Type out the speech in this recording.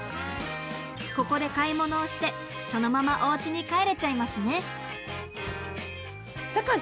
ここで買い物をしてそのままおうちに帰れちゃいますね。